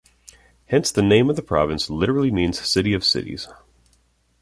Hence the name of the province literally means "city of cities".